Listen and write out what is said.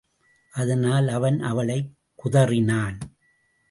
அதனால் அவன் அவளைக் குதறினான்.